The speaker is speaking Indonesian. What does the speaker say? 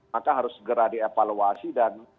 maka harus segera dievaluasi dan